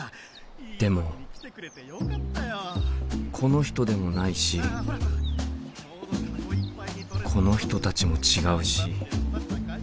でもこの人でもないしこの人たちも違うし。